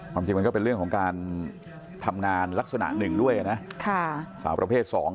จริงมันก็เป็นเรื่องของการทำงานลักษณะหนึ่งด้วยนะสาวประเภท๒